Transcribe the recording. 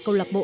câu lạc bộ